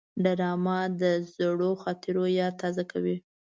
ډرامه د زړو خاطرو یاد تازه کوي